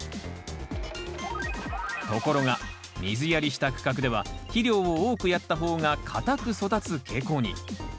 ところが水やりした区画では肥料を多くやった方が硬く育つ傾向に。